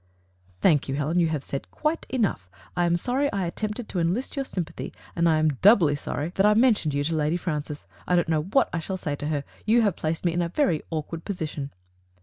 "Thank you, Helen; you have said quite enough. I am sorry I attempted to enlist your sympathy, and I am doubly sorry that I men Digitized by Google 68 THE FATE OP FEJ^ELLA. tioned you to Lady Francis. I don't know what I shall say to hen You have placed me in a very awkward position."